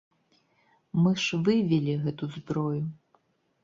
Мы ж вывелі гэту зброю!